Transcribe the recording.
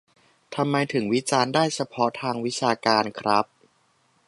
ทำไมถึงวิจารณ์ได้เฉพาะทางวิชาการครับ